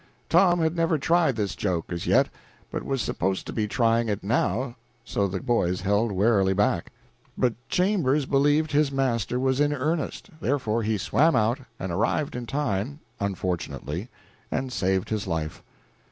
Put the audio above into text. Tom had never tried this joke as yet, but was supposed to be trying it now, so the boys held warily back; but Chambers believed his master was in earnest, therefore he swam out, and arrived in time, unfortunately, and saved his life.